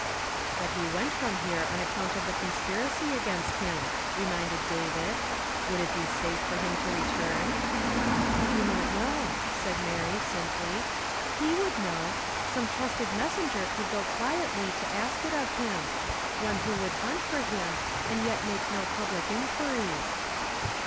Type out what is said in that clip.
" But he went from here on account of the con spiracy against him," reminded David. "Would it be safe for him to return ?"" I do not know," said Mary simply ;" he would know; some trusted messenger could go quietly to ask it V im; one who would hunt for him, and yet make no public inquiries."